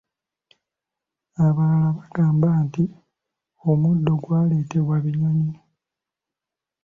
Abalala bagamba nti omuddo gwaleetebwa binyonyi.